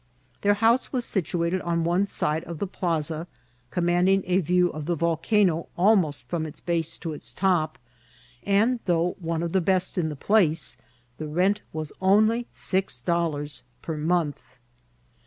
Their house was situated on one side of the plassa, commanding a view of the volcano almost from its base to its top, and, though one of the best in the place, the rent was only six dollars per month.